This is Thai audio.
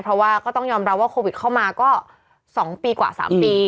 เพราะว่าก็ต้องยอมรับว่าโควิดเข้ามาก็๒ปีกว่า๓ปี